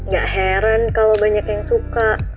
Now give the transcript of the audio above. gak heran kalau banyak yang suka